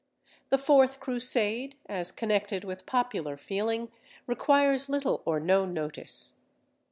The fourth Crusade, as connected with popular feeling, requires little or no notice.